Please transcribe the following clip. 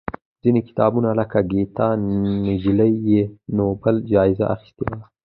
ځینې کتابونه لکه ګیتا نجلي یې نوبل جایزه اخېستې ده.